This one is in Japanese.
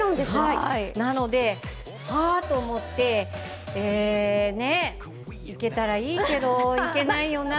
なので、はと思って、行けたらいいけど行けないよな。